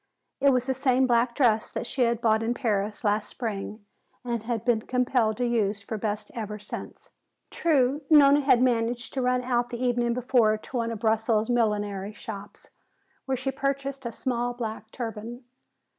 It was the same black dress that she had bought in Paris last spring and been compelled to use for best ever since. True, Nona had managed to run out the evening before to one of Brussels' millinery shops, where she purchased a small black turban.